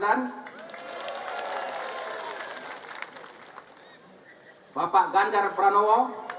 yang kedua bapak ganjar pranowo